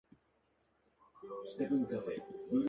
私の名前は教えられません